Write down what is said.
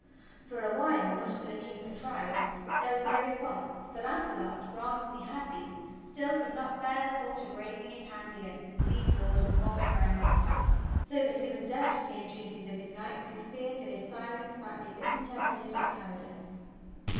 For a while, much to the King's surprise, there was no response; for Launcelot, wronged as he had been, still could not bear the thought of raising his hand against his Liege Lord and former friend, so that he was deaf to the entreaties of his knights who feared that his silence might be misinterpreted for cowardess.